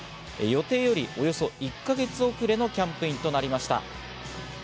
予定よりおよそ１か月遅れのキャンプインとなりました。